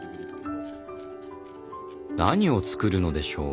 何を作るのでしょう？